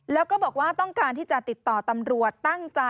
แล้วก็บอกว่าต้องการที่จะติดต่อตำรวจตั้งใจ